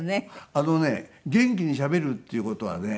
あのね元気にしゃべるっていう事はね